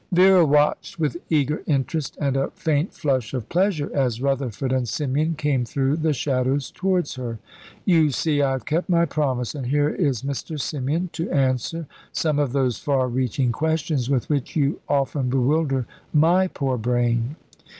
Vera watched with eager interest and a faint flush of pleasure as Rutherford and Symeon came through the shadows towards her. "You see I have kept my promise, and here is Mr. Symeon, to answer some of those far reaching questions with which you often bewilder my poor brain."